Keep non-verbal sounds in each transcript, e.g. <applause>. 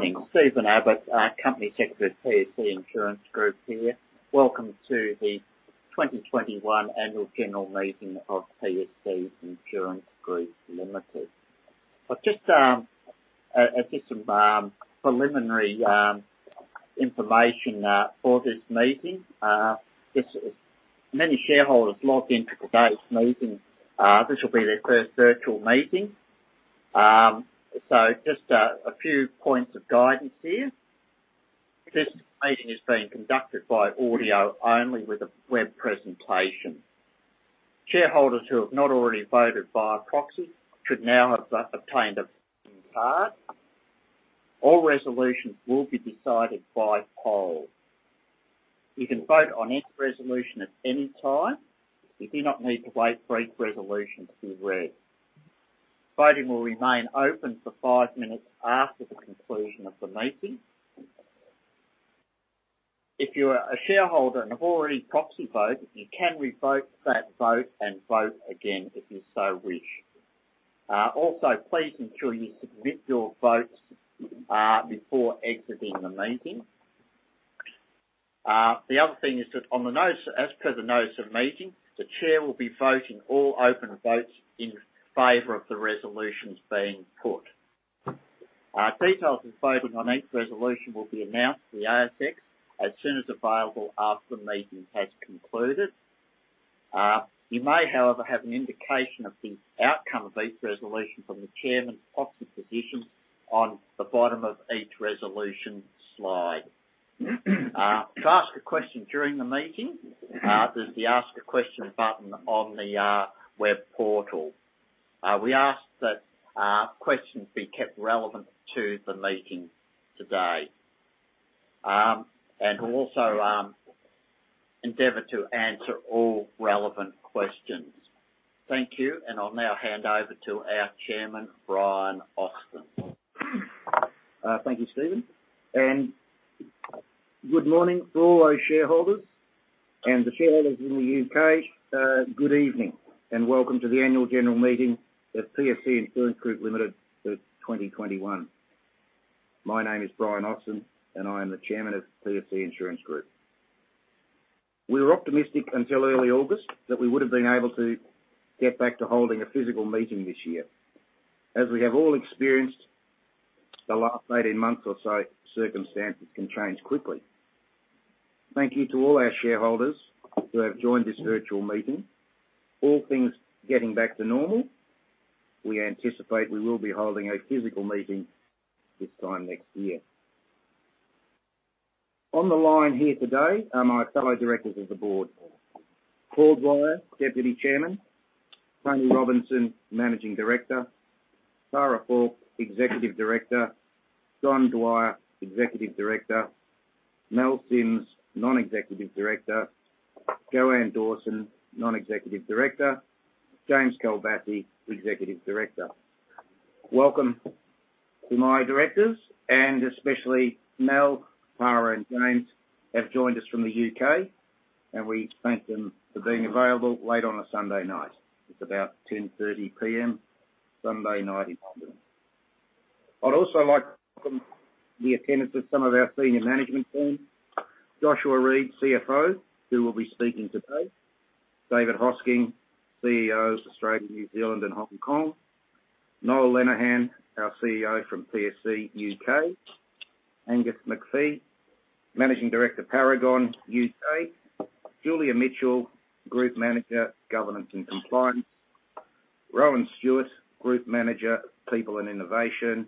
Good morning. Stephen Abbott, Company Secretary at PSC Insurance Group here. Welcome to the 2021 annual general meeting of PSC Insurance Group Limited. Just some preliminary information for this meeting. Just as many shareholders logged into today's meeting, this will be their first virtual meeting. Just a few points of guidance here. This meeting is being conducted by audio only with a web presentation. Shareholders who have not already voted via proxy should now have obtained a voting card. All resolutions will be decided by poll. You can vote on each resolution at any time. You do not need to wait for each resolution to be read. Voting will remain open for five minutes after the conclusion of the meeting. If you are a shareholder and have already proxy voted, you can revote that vote and vote again if you so wish. Also, please ensure you submit your votes before exiting the meeting. The other thing is that on the notice, as per the notice of meeting, the Chair will be voting all open votes in favor of the resolutions being put. Details of voting on each resolution will be announced to the ASX as soon as available after the meeting has concluded. You may, however, have an indication of the outcome of each resolution from the Chairman's proxy position on the bottom of each resolution slide. To ask a question during the meeting, there's the Ask a Question button on the web portal. We ask that questions be kept relevant to the meeting today. We'll also endeavor to answer all relevant questions. Thank you, and I'll now hand over to our Chairman, Brian Austin. Thank you, Stephen. Good morning to all our shareholders. The shareholders in the U.K., good evening, and welcome to the annual general meeting of PSC Insurance Group Limited for 2021. My name is Brian Austin, and I am the Chairman of PSC Insurance Group. We were optimistic until early August that we would have been able to get back to holding a physical meeting this year. As we have all experienced the last 18 months or so, circumstances can change quickly. Thank you to all our shareholders who have joined this virtual meeting. All things getting back to normal, we anticipate we will be holding a physical meeting this time next year. On the line here today are my fellow directors of the board: Paul Dwyer, Deputy Chairman; Tony Robinson, Managing Director; Tara Falk, Executive Director; John Dwyer, Executive Director; Mel Sims, Non-Executive Director; Joanne Dawson, Non-Executive Director; James Kalbassi, Executive Director. Welcome to my directors, and especially Mel, Tara, and James have joined us from the U.K., and we thank them for being available late on a Sunday night. It's about 10:30 P.M., Sunday night in London. I'd also like to welcome the attendance of some of our senior management team. Joshua Reid, CFO, who will be speaking today, David Hosking, CEO, Australia, New Zealand, and Hong Kong, Noel Lenihan, our CEO from PSC UK, Angus McPhie, Managing Director, Paragon, UK, Julia Mitchell, Group Manager, Governance and Compliance, Rohan Stewart, Group Manager, People and Innovation,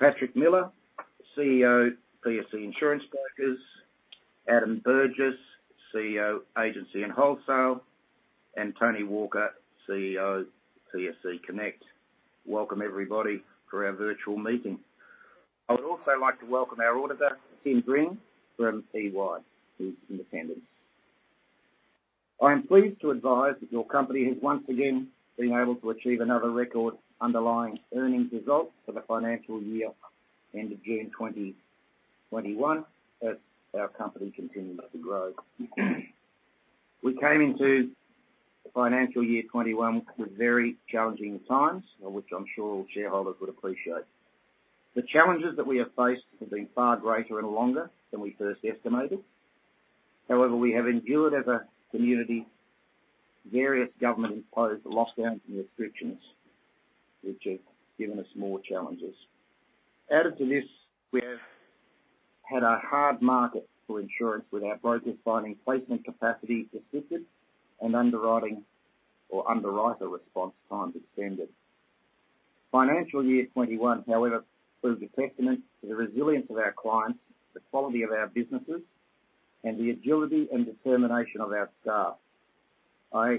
Patrick Miller, CEO, PSC Insurance Brokers, Adam Burgess, CEO, Agency and Wholesale, and Tony Walker, CEO, PSC Connect. Welcome everybody for our virtual meeting. I would also like to welcome our auditor, Tim Dring from EY, who's independent. I am pleased to advise that your company has once again been able to achieve another record underlying earnings result for the financial year ended June 2021 as our company continued to grow. We came into the financial year 2021 with very challenging times, of which I'm sure all shareholders would appreciate. The challenges that we have faced have been far greater and longer than we first estimated. However, we have endured as a community various government-imposed lockdowns and restrictions, which have given us more challenges. Added to this, we have had a hard market for insurance with our brokers finding placement capacity depleted and underwriting or underwriter response times extended. Financial year 2021, however, proves a testament to the resilience of our clients, the quality of our businesses, and the agility and determination of our staff. I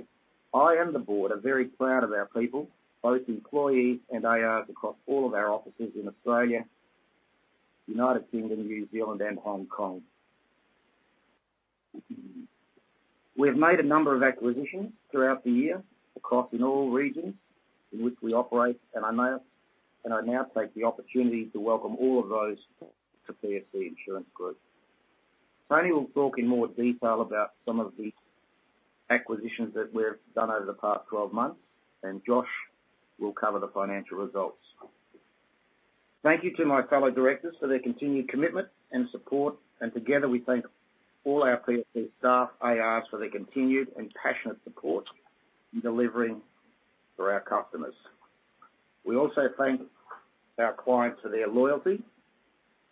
and the board are very proud of our people, both employees and AOs across all of our offices in Australia, United Kingdom, New Zealand, and Hong Kong. We have made a number of acquisitions throughout the year in all regions in which we operate, and I now take the opportunity to welcome all of those to PSC Insurance Group. Tony will talk in more detail about some of the acquisitions that we've done over the past 12 months, and Josh will cover the financial results. Thank you to my fellow directors for their continued commitment and support. Together, we thank all our PSC staff, ARs for their continued and passionate support in delivering for our customers. We also thank our clients for their loyalty,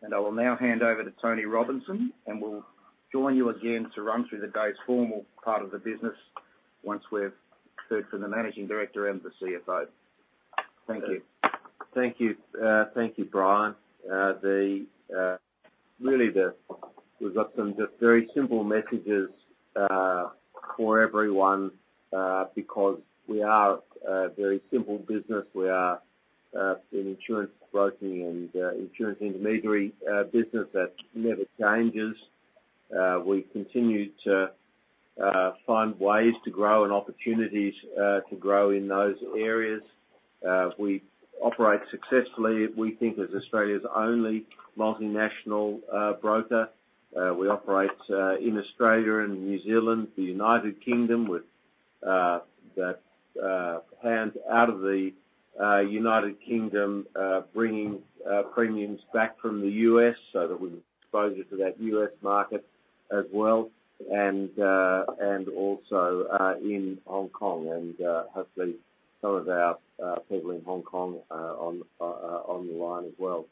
and I will now hand over to Tony Robinson, and we'll join you again to run through the day's formal part of the business once we've heard from the Managing Director and the CFO. Thank you. Thank you. Thank you, Brian. We've got some just very simple messages for everyone because we are a very simple business. We are an insurance broking and insurance intermediary business that never changes. We continue to find ways to grow and opportunities to grow in those areas. We operate successfully. We think as Australia's only multinational broker. We operate in Australia and New Zealand, the United Kingdom, with headquarters out of the United Kingdom bringing premiums back from the U.S. so that we've exposure to that U.S. market as well, and also in Hong Kong. Hopefully some of our people in Hong Kong are on the line as well.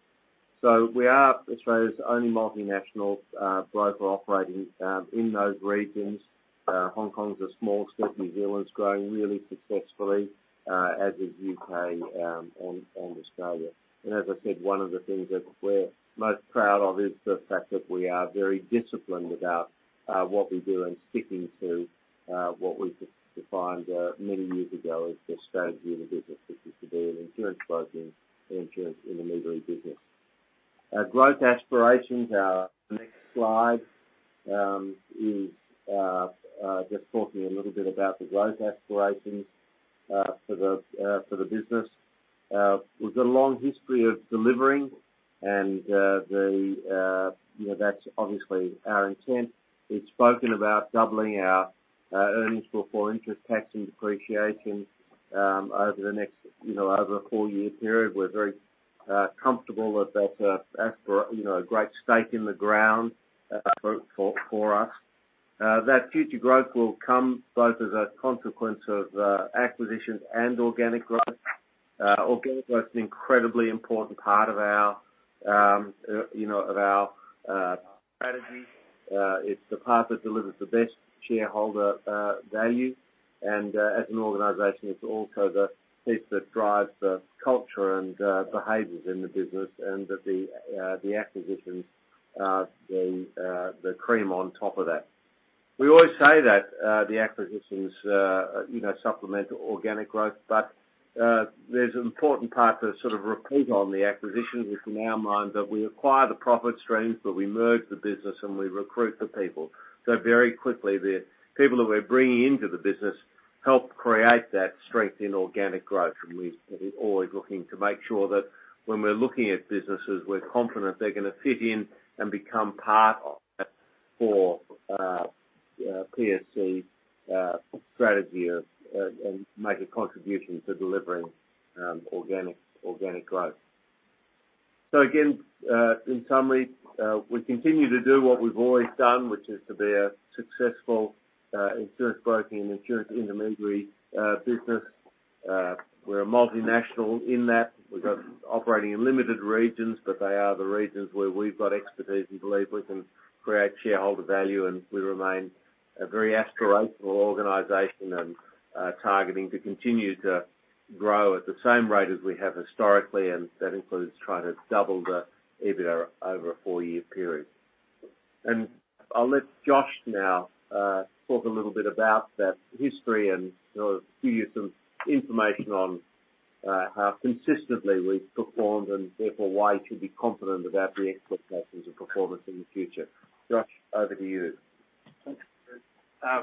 We are Australia's only multinational broker operating in those regions. Hong Kong's a small step. New Zealand's growing really successfully, as is UK, and Australia. As I said, one of the things that we're most proud of is the fact that we are very disciplined about what we do and sticking to what we defined many years ago as the strategy of the business, which is to be an insurance broking and insurance intermediary business. Our growth aspirations, our next slide, is just talking a little bit about the growth aspirations for the business. We've got a long history of delivering, and you know, that's obviously our intent. We've spoken about doubling our earnings before interest, tax, and depreciation over the next four-year period. We're very comfortable that that's a great stake in the ground for us. That future growth will come both as a consequence of acquisitions and organic growth. Organic growth's an incredibly important part of our strategy. It's the path that delivers the best shareholder value. As an organization, it's also the piece that drives the culture and behaviors in the business. The acquisitions are the cream on top of that. We always say that the acquisitions supplement organic growth. There's an important part to sort of repeat on the acquisitions, which in our mind, that we acquire the profit streams, but we merge the business and we recruit the people. Very quickly, the people that we're bringing into the business help create that strength in organic growth. We're always looking to make sure that when we're looking at businesses, we're confident they're gonna fit in and become part of that for PSC strategy of and make a contribution to delivering organic growth. Again, in summary, we continue to do what we've always done, which is to be a successful insurance broking and insurance intermediary business. We're a multinational in that we've got operating in limited regions, but they are the regions where we've got expertise and believe we can create shareholder value. We remain a very aspirational organization and targeting to continue to grow at the same rate as we have historically, and that includes trying to double the EBITDA over a four-year period. I'll let Josh now talk a little bit about that history and, you know, give you some information on how consistently we've performed and therefore why you should be confident about the expectations of performance in the future. Josh, over to you. Thanks,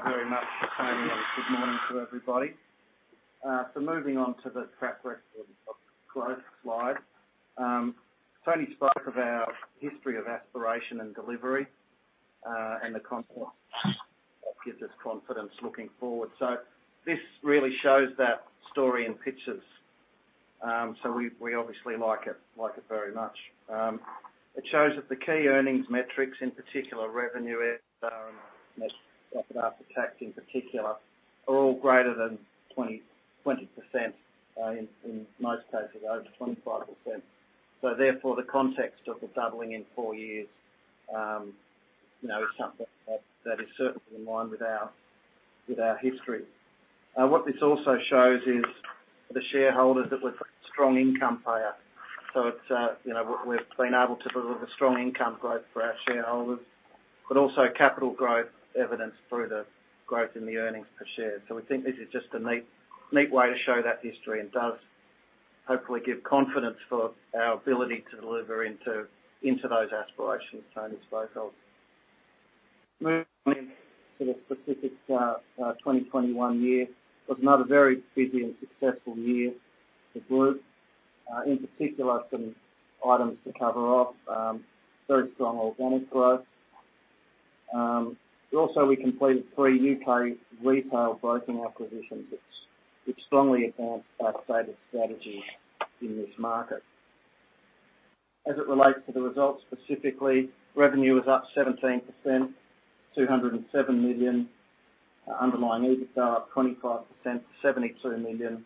very much, Tony. Good morning to everybody. Moving on to the track record of growth slide. Tony spoke of our history of aspiration and delivery, and the confidence that gives us confidence looking forward. This really shows that story in pictures. We obviously like it very much. It shows that the key earnings metrics, in particular revenue, EBITDA and Net Profit After Tax in particular, are all greater than 20%. In most cases, over 25%. Therefore, the context of the doubling in four years, you know, is something that is certainly in line with our history. What this also shows is the shareholders that we're a strong income payer. It's, you know, we've been able to deliver strong income growth for our shareholders, but also capital growth evidenced through the growth in the earnings per share. We think this is just a neat way to show that history and does hopefully give confidence for our ability to deliver into those aspirations Tony spoke of. Moving to the specific 2021 year. It was another very busy and successful year for the Group. In particular, some items to cover off. Very strong organic growth. Also we completed three U.K. retail broking acquisitions, which strongly advanced our stated strategy in this market. As it relates to the results specifically, revenue was up 17%, 207 million. Underlying EBITDA up 25%, 72 million.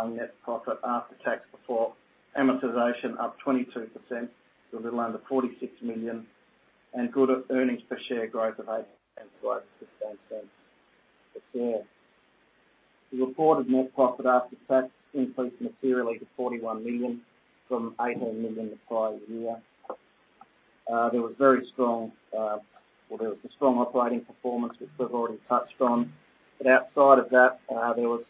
Underlying net profit after tax before amortization up 22% to a little under 46 million. Good earnings per share growth of 8% to 0.10 a share. The reported net profit after tax increased materially to 41 million from 18 million the prior year. There was very strong operating performance, which we've already touched on. Outside of that, there was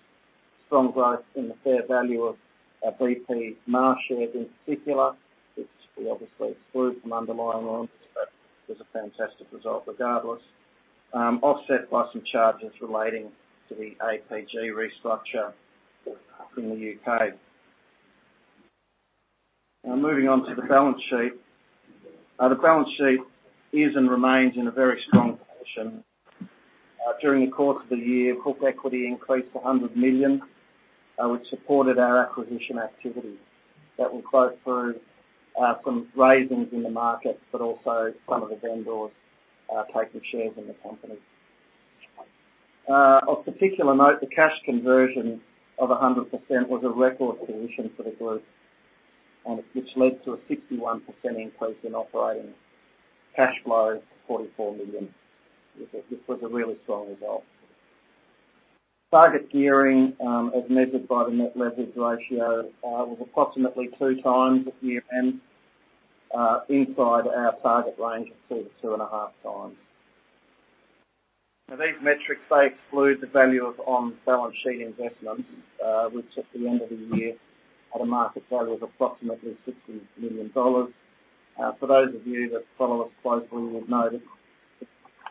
strong growth in the fair value of our B.P. Marsh shares in particular, which we obviously exclude from underlying profit, but it was a fantastic result regardless. Offset by some charges relating to the APG restructure in the U.K. Now moving on to the balance sheet. The balance sheet is and remains in a very strong position. During the course of the year, book equity increased to 100 million, which supported our acquisition activity. That will flow through some raisings in the market, but also some of the vendors taking shares in the company. Of particular note, the cash conversion of 100% was a record position for the group, which led to a 61% increase in operating cash flow to 44 million, which was a really strong result. Target gearing, as measured by the net leverage ratio, was approximately 2x at year-end, inside our target range of 2x-2.5x. Now these metrics, they exclude the value of on-balance sheet investments, which at the end of the year had a market value of approximately 60 million dollars. For those of you that follow us closely will have noted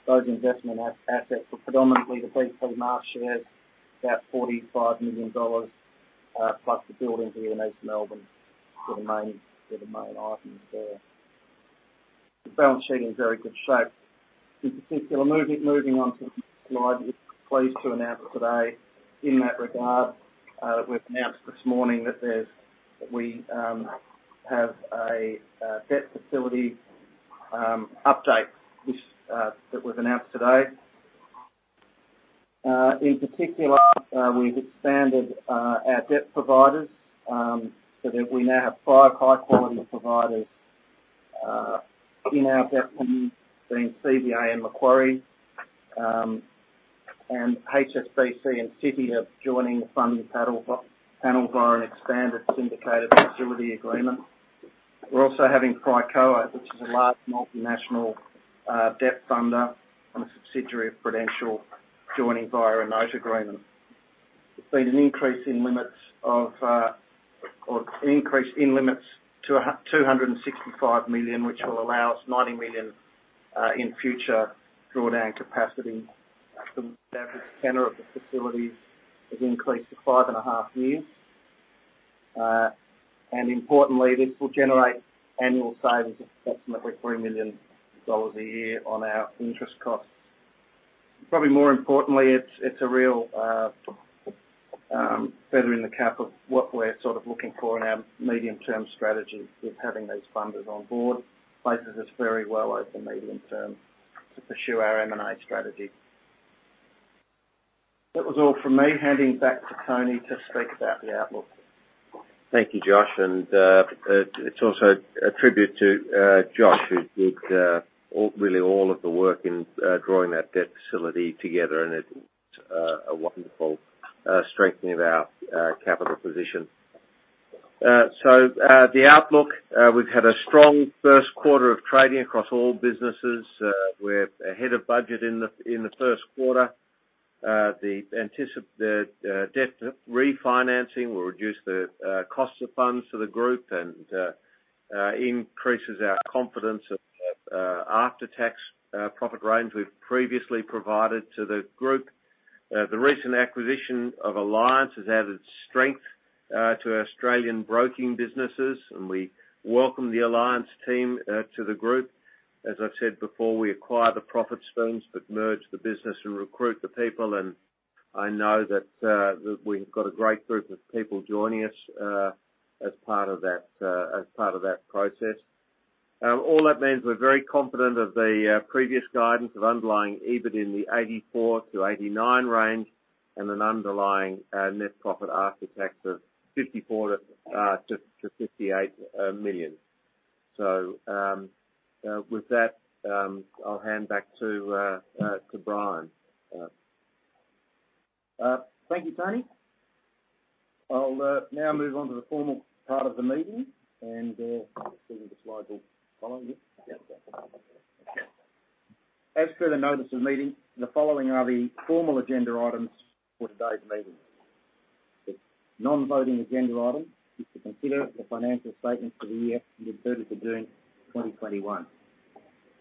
those investment assets were predominantly the B.P. Marsh shares, 45 million dollars, plus the buildings here in East Melbourne were the main items there. The balance sheet is in very good shape. In particular, moving on to the next slide, we're pleased to announce today in that regard, we've announced this morning that we have a debt facility update which that was announced today. In particular, we've expanded our debt providers so that we now have five high-quality providers in our debt facility being CBA and Macquarie, and HSBC and Citi are joining the funding panels via an expanded syndicated facility agreement. We're also having Pricoa, which is a large multinational debt funder and a subsidiary of Prudential, joining via a note agreement. There's been an increase in limits to 265 million, which will allow us 90 million in future drawdown capacity. The average tenor of the facilities has increased to 5.5 years. Importantly, this will generate annual savings of approximately 3 million dollars a year on our interest costs. Probably more importantly, it's a real furthering the cap of what we're sort of looking for in our medium-term strategy with having those funders on board places us very well over the medium term to pursue our M&A strategy. That was all from me. Handing back to Tony to speak about the outlook. Thank you, Josh. It's also a tribute to Josh, who did all of the work in drawing that debt facility together, and it's a wonderful strengthening of our capital position. The outlook, we've had a strong first quarter of trading across all businesses. We're ahead of budget in the first quarter. The debt refinancing will reduce the cost of funds for the group and increases our confidence of the after-tax profit range we've previously provided to the group. The recent acquisition of Alliance has added strength to our Australian broking businesses, and we welcome the Alliance team to the group. As I've said before, we acquire the profit streams but merge the business and recruit the people. I know that we've got a great group of people joining us as part of that process. All that means we're very confident of the previous guidance of underlying EBIT in the 84 million-89 million range and an underlying net profit after tax of 54 million-58 million. With that, I'll hand back to Brian. Thank you, Tony. I'll now move on to the formal part of the meeting and see if the slide will follow me. Yep. Okay. As per the notice of meeting, the following are the formal agenda items for today's meeting. The non-voting agenda item is to consider the financial statements for the year ended 30 June 2021.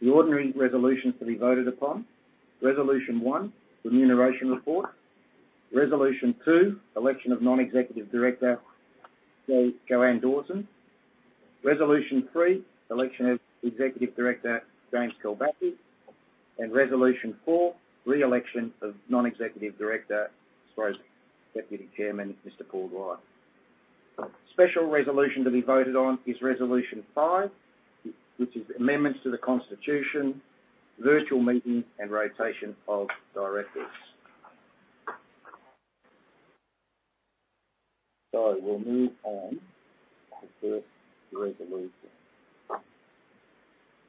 The ordinary resolutions to be voted upon. Resolution 1, Remuneration Report. Resolution 2, election of Non-Executive Director, Joanne Dawson. Resolution 3, election of Executive Director, James Kalbassi. Resolution 4, re-election of Non-Executive Director as well as Deputy Chairman, Mr. Paul Dwyer. Special Resolution to be voted on is Resolution 5, which is amendments to the Constitution, virtual meeting and rotation of directors. We'll move on to the first resolution.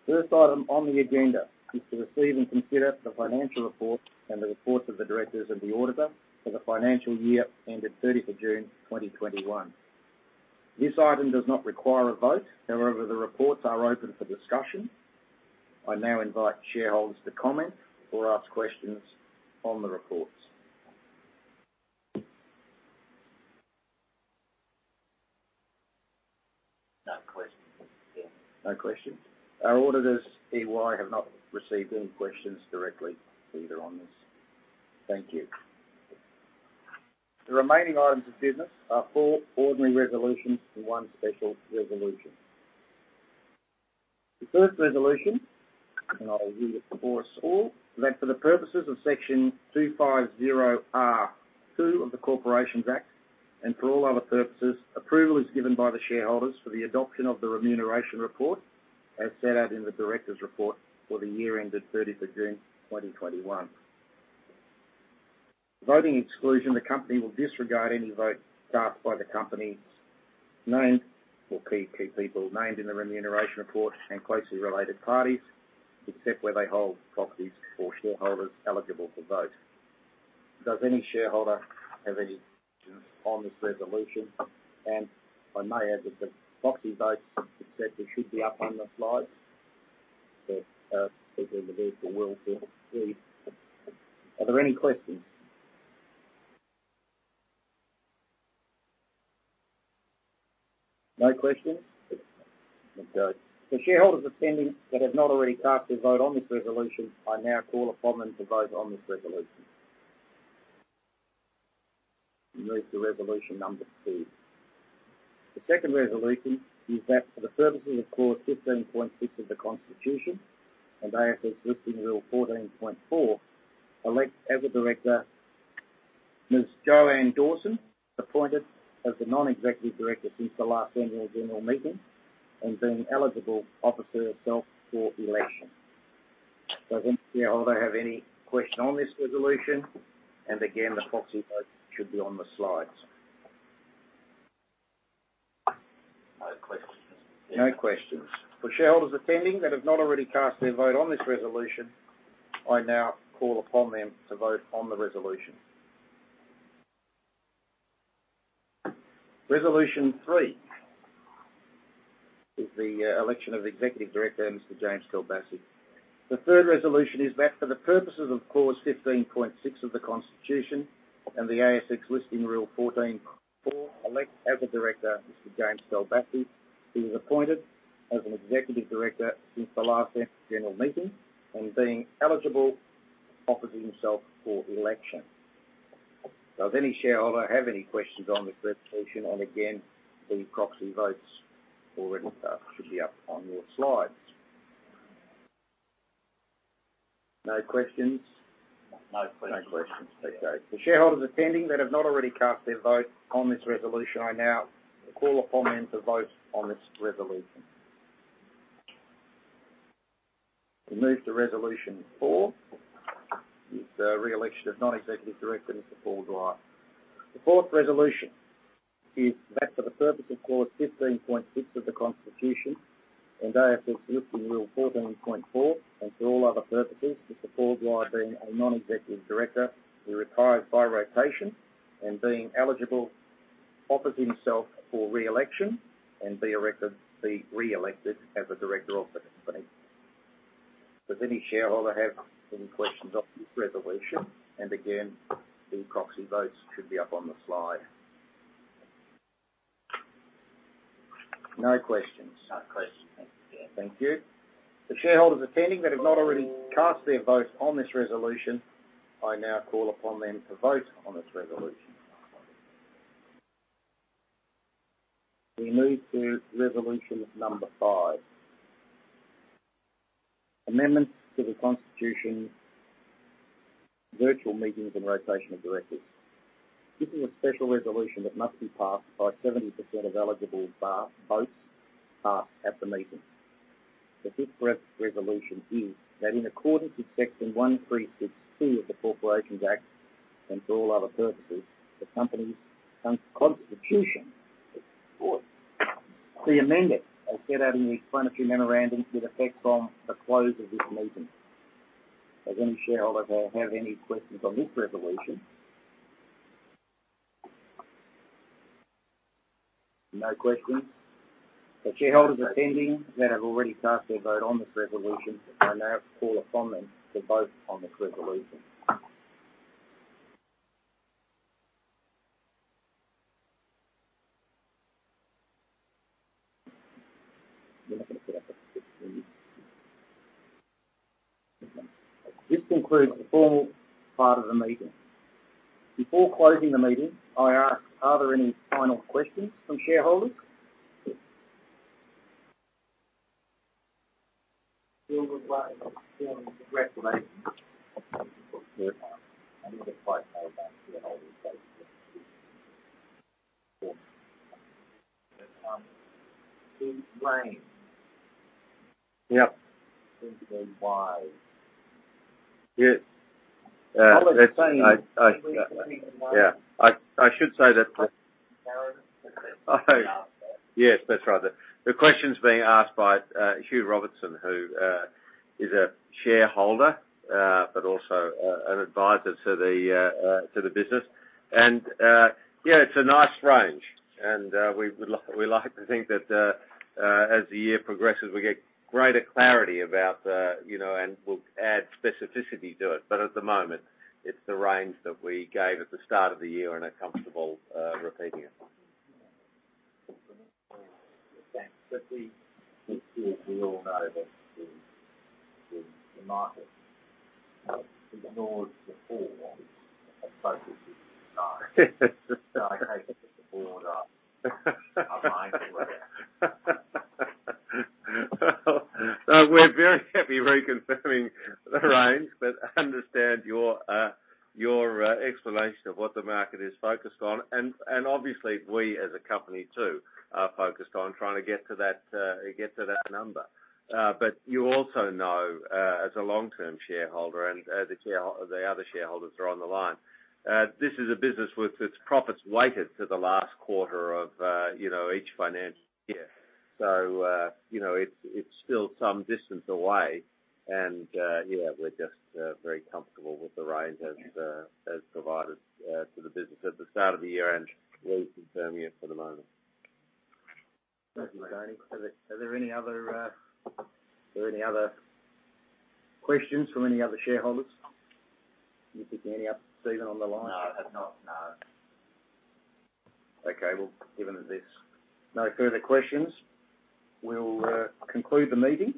First item on the agenda is to receive and consider the financial report and the reports of the directors and the auditor for the financial year ended 30 June 2021. This item does not require a vote. However, the reports are open for discussion. I now invite shareholders to comment or ask questions on the reports. No questions. No questions. Our auditors, EY, have not received any questions directly either on this. Thank you. The remaining items of business are four ordinary resolutions and one special resolution. The first resolution, I'll read it for us all, is that for the purposes of Section 250R(2) of the Corporations Act and for all other purposes, approval is given by the shareholders for the adoption of the remuneration report as set out in the directors' report for the year ended 30th of June 2021. Voting exclusion, the company will disregard any vote cast by the company's named or key people named in the remuneration report and closely related parties, except where they hold proxies for shareholders eligible to vote. Does any shareholder have any questions on this resolution? I may add that the proxy votes accepted should be up on the slides that people in the virtual world can see. Are there any questions? No questions? No. Okay. For shareholders attending that have not already cast their vote on this resolution, I now call upon them to vote on this resolution. We move to resolution number 2. The second resolution is that for the purposes of Clause 15.6 of the Constitution and ASX Listing Rule 14.4, elect as a director Ms. Joanne Dawson, appointed as the Non-Executive Director since the last annual general meeting and being eligible offers herself for election. Does any shareholder have any question on this resolution? Again, the proxy vote should be on the slides. No questions. No questions. For shareholders attending that have not already cast their vote on this resolution, I now call upon them to vote on the resolution. Resolution 3 is the election of Executive Director, Mr. James Kalbassi. The third resolution is that for the purposes of Clause 15.6 of the Constitution and the ASX Listing Rule 14.4, elect as a Director Mr. James Kalbassi, who was appointed as an Executive Director since the last annual general meeting and being eligible, offers himself for election. Does any shareholder have any questions on this resolution? Again, the proxy votes already cast should be up on your slides. No questions? No questions. No questions. Okay. For shareholders attending that have not already cast their vote on this resolution, I now call upon them to vote on this resolution. We move to resolution 4 is the re-election of Non-Executive Director, Mr. Paul Dwyer. The fourth resolution is that for the purpose of Clause 15.6 of the Constitution and ASX Listing Rule 14.4, and for all other purposes, Mr. Paul Dwyer being a Non-Executive Director, he retires by rotation and being eligible, offers himself for re-election and be re-elected as a director of the company. Does any shareholder have any questions on this resolution? Again, the proxy votes should be up on the slide. No questions. No questions. Thank you. The shareholders attending that have not already cast their vote on this resolution. I now call upon them to vote on this resolution. We move to resolution number 5, amendments to the Constitution, virtual meetings and rotation of directors. This is a special resolution that must be passed by 70% of eligible votes cast at the meeting. The fifth resolution is that in accordance with Section 136(2) of the Corporations Act and for all other purposes, the company's constitution is proposed to be amended as set out in the explanatory memorandum with effect from the close of this meeting. Does any shareholder have any questions on this resolution? No questions. For shareholders attending that have already cast their vote on this resolution, I now call upon them to vote on this resolution. You're not gonna put up a fifth, please? Okay. This concludes the formal part of the meeting. Before closing the meeting, I ask, are there any final questions from shareholders? Still require a formal reclamation. Yeah. I need to know about shareholder base. Who's to blame? Yep. <crosstalk> Yeah. I should say that. <crosstalk> Yes, that's right. The question's being asked by Hugh Robertson, who is a shareholder, but also an advisor to the business. Yeah, it's a nice range. We like to think that as the year progresses, we get greater clarity about the, you know, and we'll add specificity to it. At the moment, it's the range that we gave at the start of the year and are comfortable repeating it. Thanks. We feel we all know that the market ignores the fall and focuses on the rise. The stakeholders and the board are mindful of that. Well, we're very happy reconfirming the range, but understand your explanation of what the market is focused on. Obviously we as a company too are focused on trying to get to that number. You also know, as a long-term shareholder and the other shareholders are on the line, this is a business with its profits weighted to the last quarter of you know, each financial year. You know, it's still some distance away and yeah, we're just very comfortable with the range as provided to the business at the start of the year, and we're confirming it for the moment. Thank you, Tony. Are there any other questions from any other shareholders? Can you think of any, Stephen, on the line? No, there's not. No. Okay. Well, given that there's no further questions, we'll conclude the meeting.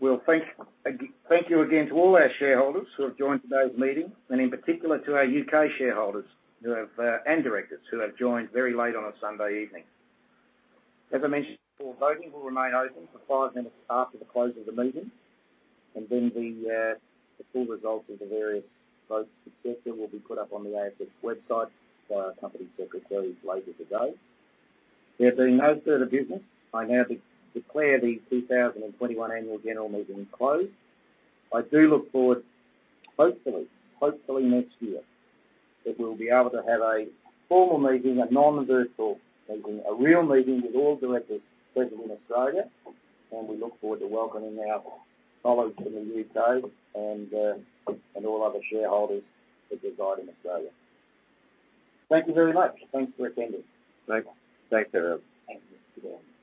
We'll thank you again to all our shareholders who have joined today's meeting, and in particular to our U.K. shareholders who have and directors who have joined very late on a Sunday evening. As I mentioned before, voting will remain open for 5 minutes after the close of the meeting, and then the full results of the various votes et cetera will be put up on the ASX website by our company secretaries later today. There being no further business, I now declare the 2021 annual general meeting closed. I do look forward hopefully next year that we'll be able to have a formal meeting, a non-virtual meeting, a real meeting with all directors present in Australia, and we look forward to welcoming our colleagues in the U.K. and all other shareholders that reside in Australia. Thank you very much. Thanks for attending. Thanks. Thanks, Brian. Thank you.